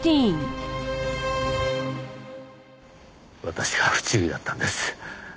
私が不注意だったんです。